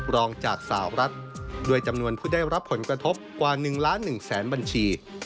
รองจากสาวรัฐด้วยจำนวนผู้ได้รับผลกระทบกว่า๑ล้าน๑แสนบัญชี